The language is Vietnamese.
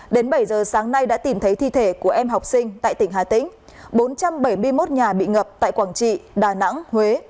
đến bảy giờ sáng nay đã tìm thấy thi thể của em học sinh tại tỉnh hà tĩnh bốn trăm bảy mươi một nhà bị ngập tại quảng trị đà nẵng huế